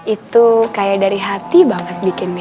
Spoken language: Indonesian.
itu kayak dari hati banget bikinnya